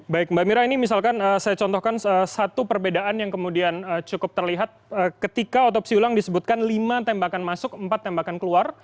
baik mbak mira ini misalkan saya contohkan satu perbedaan yang kemudian cukup terlihat ketika otopsi ulang disebutkan lima tembakan masuk empat tembakan keluar